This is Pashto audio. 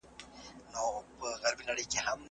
دا قلمان له هغو ښه دي؟!